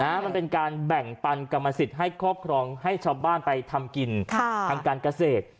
มันเป็นการแบ่งปันกรรมสิทธิ์ให้ครอบครองให้ชาวบ้านไปทำกินทางการเกษตร